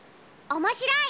おもしろい。